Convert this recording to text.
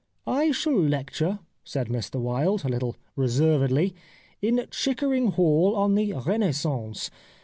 "' I shall lecture,' said Mr Wilde, a httle reservedly, ' in Chickering Hall on the Renais sance.